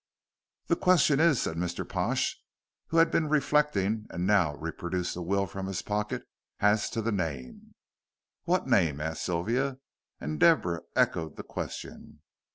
"The question is," said Mr. Pash, who had been reflecting, and now reproduced the will from his pocket, "as to the name?" "What name?" asked Sylvia, and Deborah echoed the question.